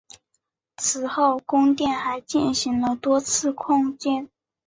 此后宫殿还进行了多次扩建。